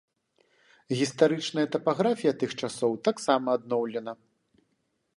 Гістарычная тапаграфія тых часоў таксама адноўлена.